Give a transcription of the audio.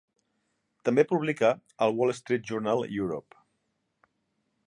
També publica al "Wall Street Journal Europe".